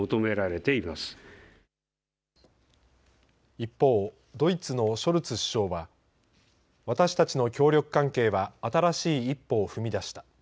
一方ドイツのショルツ首相は私たちの協力関係は新しい一歩を踏み出した。